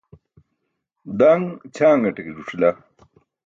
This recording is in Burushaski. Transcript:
Daṅ ćʰangate ke ẓuc̣ila.